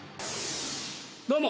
どうも。